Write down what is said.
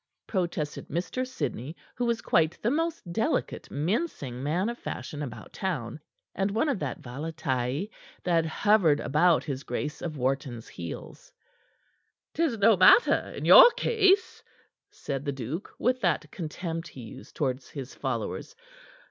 protested Mr. Sidney, who was quite the most delicate, mincing man of fashion about town, and one of that valetaille that hovered about his Grace of Wharton's heels. "'Tis no matter in your case," said the duke, with that contempt he used towards his followers.